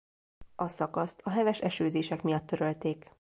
A szakaszt a heves esőzések miatt törölték